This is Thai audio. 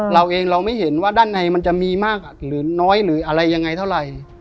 เราเองเราไม่เห็นว่าด้านในมันจะมีมากหรือน้อยหรืออะไรยังไงเท่าไหร่